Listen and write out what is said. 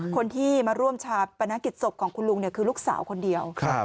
คนที่มาร่วมชาปนกิจศพของคุณลุงคือลูกสาวคนเดียว